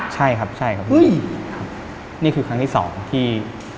ใช่ครับใช่ครับอุ๊ยครับนี่คือครั้งที่๒ที่